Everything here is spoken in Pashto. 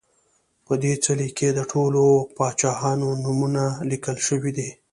په دې څلي کې د ټولو پاچاهانو نومونه لیکل شوي دي